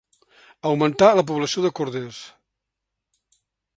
Augmentar la població de corders.